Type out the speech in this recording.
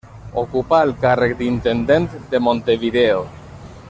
Ocupà el càrrec d'Intendent de Montevideo.